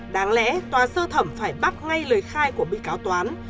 đáng lẽ tòa sơ thẩm phải bắt ngay lời khai của bị cáo toán